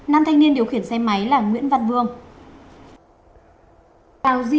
nam thanh niên điều khiển xe máy là nguyễn văn vương